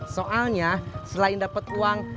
soalnya selain dapat uang